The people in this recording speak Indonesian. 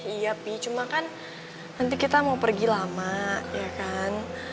iya pi cuma kan nanti kita mau pergi lama ya kan